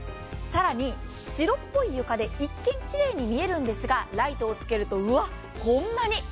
更に、白っぽい床で一見きれいに見えるんですがライトをつけると、ウワッこんなに。